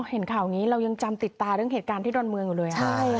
เห็นข่าวนี้เรายังจำติดตาเรื่องเหตุการณ์ที่ดอนเมืองอยู่เลย